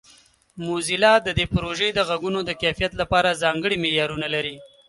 موزیلا د دې پروژې د غږونو د کیفیت لپاره ځانګړي معیارونه لري.